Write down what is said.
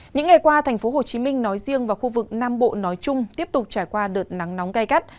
những ngày qua tp hcm nói riêng và khu vực nam bộ nói chung tiếp tục trải qua đợt nắng nóng gai gắt